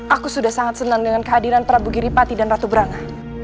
aku sudah sangat senang dengan kehadiran prabu giri pati dan ratu brana